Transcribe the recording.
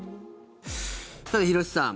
さて、廣瀬さん